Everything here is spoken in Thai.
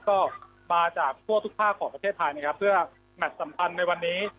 ก็มาจากทั่วทุกภาคของประเทศไทยนะครับเพื่อแมทสำคัญในวันนี้